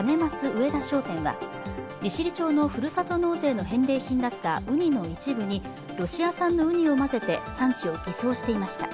上田商店は、利尻町のふるさと納税の返礼品だったうにの一部にロシア産のうにを混ぜて産地を偽装していました。